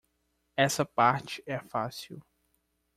Essa parte é fácil.